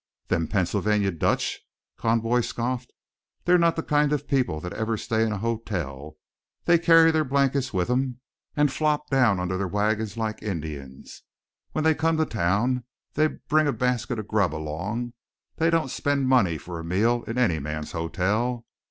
"Them Pennsylvania Dutch?" Conboy scoffed. "They're not the kind of people that ever stay in a hotel, they carry their blankets with 'em and flop down under their wagons like Indians. When they come to town they bring a basket of grub along, they don't spend money for a meal in any man's hotel.